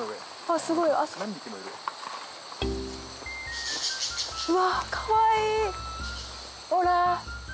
すごい。うわかわいい。